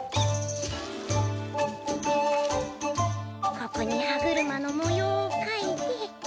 ここに歯車の模様をかいて。